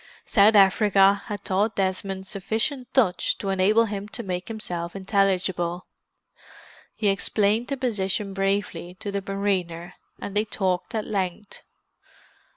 South Africa had taught Desmond sufficient Dutch to enable him to make himself intelligible. He explained the position briefly to the mariner, and they talked at length.